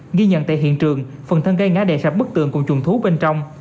nghi nhận tại hiện trường phần thân cây ngã đè sạp bức tường cùng chuồng thú bên trong